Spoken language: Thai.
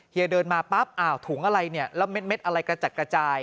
เฮียเดินมาปั๊บถุงอะไรแล้วเม็ดอะไรกระจัดกระจาย